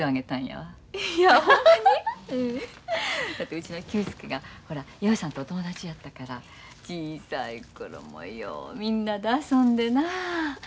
うちの久助がほら陽さんとお友達やったから小さい頃もようみんなで遊んでなあ。